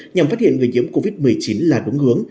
nhằm phát hiện người nhiễm covid một mươi chín là đúng hướng